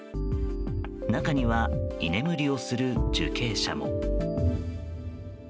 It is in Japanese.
中には居眠りをする受刑者も。